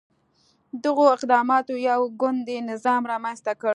دغو اقداماتو یو ګوندي نظام رامنځته کړ.